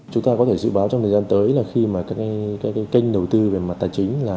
chúng ta có thể dự báo trong thời gian tới là khi mà cái kênh đầu tư về mặt tài chính là